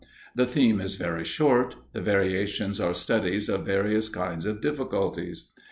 The theme is very short; the variations are studies of various kind of difficulties.